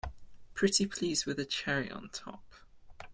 Pretty please with a cherry on top!